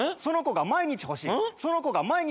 その子が毎日欲しい。